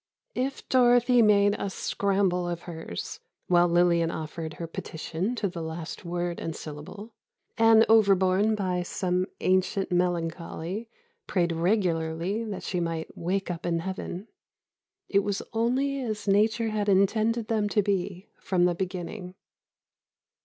If Dorothy made a scramble of hers, while Lillian offered her petition to the last word and syllable, and overborne by some ancient melancholy prayed regularly that she might wake up in Heaven, it was only as Nature had intended them to be from the beginning.